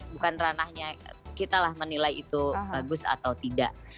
bukan ranahnya kita lah menilai itu bagus atau tidak